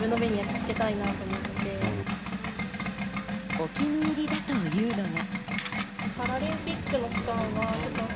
お気に入りだというのが。